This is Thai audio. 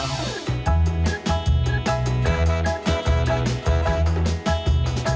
อย่างนี้ครับ